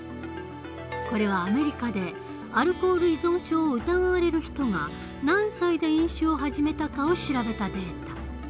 これはアメリカでアルコール依存症を疑われる人が何歳で飲酒を始めたかを調べたデータ。